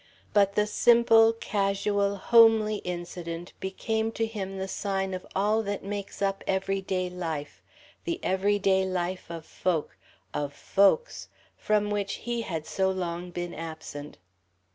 But the simple, casual, homely incident became to him the sign of all that makes up everyday life, the everyday life of folk of folks from which he had so long been absent.